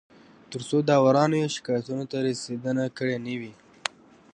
تر څو داورانو یې شکایتونو ته رسېدنه کړې نه وي